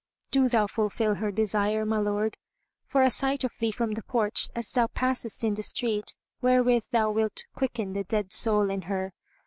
Do thou fulfil her desire, my lord, of a sight of thee from the porch, as thou passest in the street, wherewith thou wilt quicken the dead soul in her.